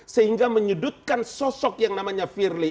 sehingga menyudutkan sosok yang namanya firly